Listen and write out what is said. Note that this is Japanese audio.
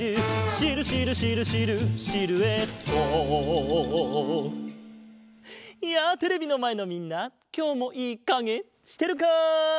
「シルシルシルシルシルエット」やあテレビのまえのみんなきょうもいいかげしてるか？